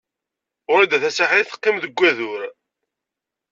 Wrida Tasaḥlit teqqim deg wadur.